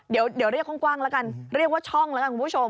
เดี๋ยวเรียกกว้างแล้วกันเรียกว่าช่องแล้วกันคุณผู้ชม